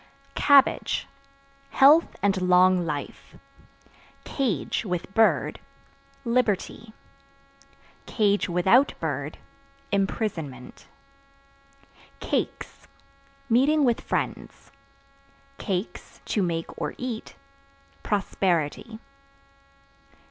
C Cabbage Health and long life. Cage (With bird) liberty; (without bird) imprisonment. Cakes Meeting with friends; (to make or eat) prosperity.